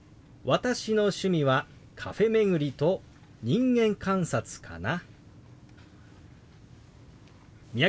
私の趣味はカフェ巡りと人間観察かな。